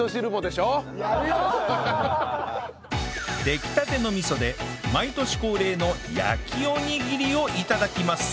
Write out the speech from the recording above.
出来たての味噌で毎年恒例の焼きおにぎりを頂きます